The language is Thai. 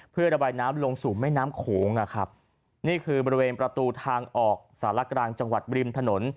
เพื่อระบายน้ำลงสู่แม่น้ำโขงอ่ะครับนี่คือบริเวณประตูทางออกสารกลางจังหวัดบริมถนน